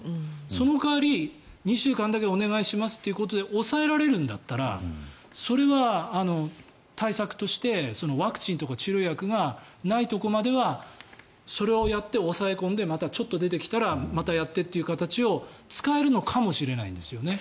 そのかわり２週間だけお願いしますということで抑えられるんだったらそれは対策としてワクチンとか治療薬がないところまではそれをやって抑え込んでまたちょっと出てきたらまたやってという形を使えるのかもしれないんですよね。